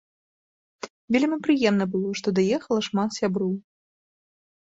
Вельмі прыемна было, што даехала шмат сяброў.